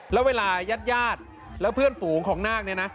แล้วเวลายาดแล้วเพื่อนฝูงของนาคเนี่ยนะ